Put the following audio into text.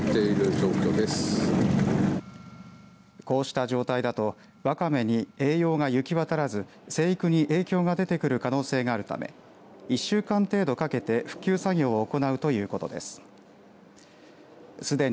こうした状態だとワカメに栄養が行き渡らず生育に影響が出てくる可能性があるため１週間程度かけて復旧作業を行うということです。